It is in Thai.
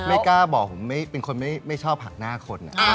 ไม่กล้าบอกผมเป็นคนไม่ชอบหักหน้าคน